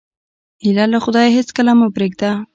هیله له خدایه هېڅکله مه پرېږده.